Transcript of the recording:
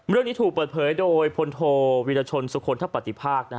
เรื่องนี้ถูกเปิดเผยโดยพลโทวิรชนสุคลทะปฏิภาค